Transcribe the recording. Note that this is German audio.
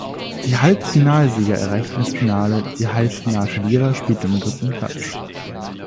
Die Halbfinalsieger erreichten das Finale, die Halbfinalverlierer spielten um den dritten Platz.